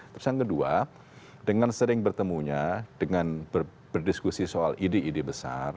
terus yang kedua dengan sering bertemunya dengan berdiskusi soal ide ide besar